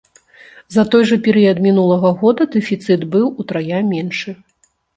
За той жа перыяд мінулага года дэфіцыт быў утрая меншы.